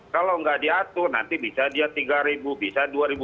kalau nggak diatur nanti bisa rp tiga bisa rp dua